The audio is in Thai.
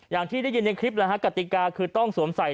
อย่างที่ได้ยินในคลิปนะฮะกติกาคือต้องสวมใส่